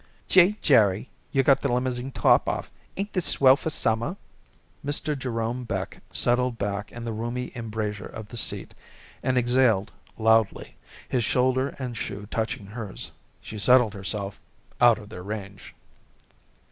"Gee! Jerry, you got the limousine top off. Ain't this swell for summer?" Mr. Jerome Beck settled back in the roomy embrasure of the seat and exhaled loudly, his shoulder and shoe touching hers. She settled herself out of their range.